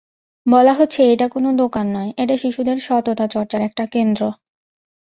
বলা হচ্ছে, এটা কোনো দোকান নয়, এটা শিশুদের সততা চর্চার একটা কেন্দ্র।